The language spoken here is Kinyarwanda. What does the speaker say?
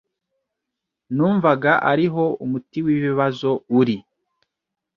numvaga ariho umuti w’ ibibazo uri